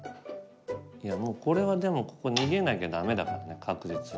いやもうこれはでもここ逃げなきゃダメだからね確実に。